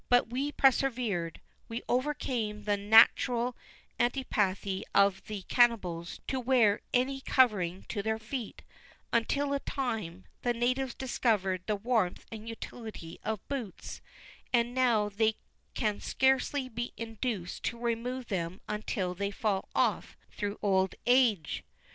But we persevered; we overcame the natural antipathy of the cannibals to wear any covering to their feet; until after a time, the natives discovered the warmth and utility of boots; and now they can scarcely be induced to remove them until they fall off through old age.